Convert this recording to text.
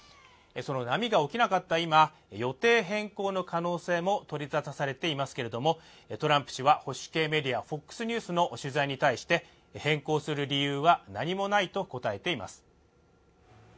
その波が起きなかった今、予定変更の可能性も取り沙汰されていますけれどもトランプ氏は保守系メディア、ＦＯＸニュースの取材に対して、変更する理由は何もないと答えています。